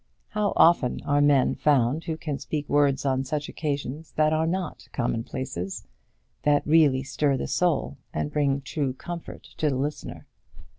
How often are men found who can speak words on such occasions that are not commonplaces, that really stir the soul, and bring true comfort to the listener?